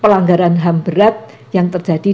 pelanggaran ham berat yang terjadi